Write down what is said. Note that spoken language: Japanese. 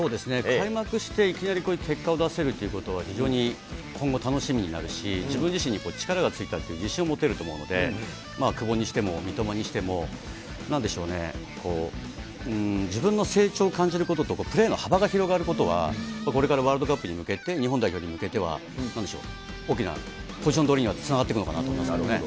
開幕していきなりこういう結果を出せるっていうことは、非常に今後、楽しみになるし、自分自身に力がついたっていう自信が持てると思うので、久保にしても、三笘にしても、なんでしょうね、自分の成長を感じることとプレーの幅が広がることは、これからワールドカップに向けて、日本代表に向けてはなんでしょう、大きなポジション取りにはつながってくるのかなと思いますけどね。